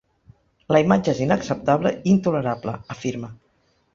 “La imatge és inacceptable i intolerable”, afirma.